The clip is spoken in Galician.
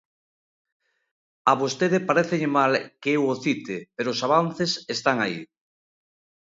A vostede parécelle mal que eu o cite, pero os avances están aí.